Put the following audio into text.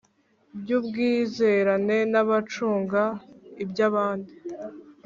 by ubwizerane n abacunga iby abandi